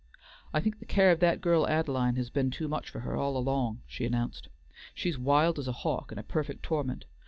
"I think the care of that girl of Ad'line's has been too much for her all along," she announced, "she's wild as a hawk, and a perfect torment.